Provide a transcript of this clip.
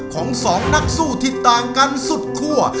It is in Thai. ของสองนักสู้ที่ต่างกันสุดคั่ว